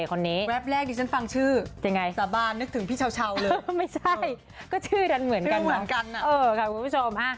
ครับคุณผู้ชม